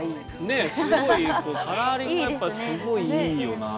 ねえすごいカラーリングやっぱすごいいいよなあ。